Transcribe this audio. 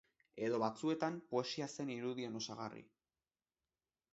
Edo, batzuetan, poesia zen irudien osagarri?